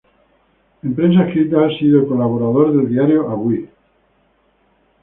En prensa escrita, ha sido colaboradora del diario "Avui".